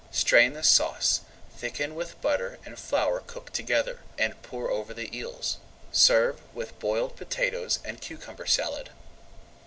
Strain the sauce, thicken with butter and flour cooked together, and pour over the eels. Serve with boiled potatoes and cucumber salad.